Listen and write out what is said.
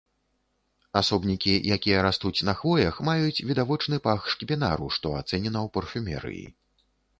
Асобнікі, якія растуць на хвоях, маюць відавочны пах шкіпінару, што ацэнена ў парфумерыі.